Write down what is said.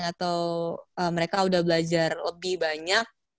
atau mereka udah belajar lebih banyak